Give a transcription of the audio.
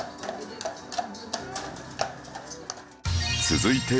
続いて